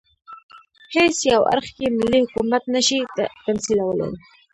هېڅ یو اړخ یې ملي حکومت نه شي تمثیلولای.